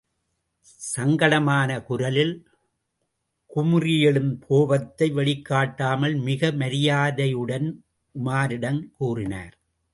சங்கடமான குரலில் குமுறியெழும் கோபத்தை வெளிக்காட்டாமல் மிக மரியாதையுடன் உமாரிடம் கூறினார்.